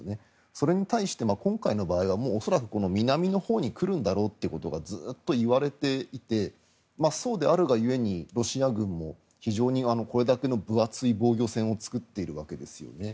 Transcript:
それに対して今回の場合は恐らく、南のほうに来るんだろうということがずっと言われていてそうであるが故にロシア軍も非常にこれだけの分厚い防御線を作っているんです。